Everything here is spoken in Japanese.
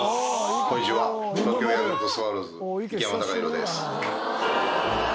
こんにちは、東京ヤクルトスワローズ、池山隆寛です。